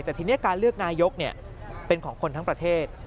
แต่ทีนี้การเลือกนายกเป็นของคนทั้งประเทศ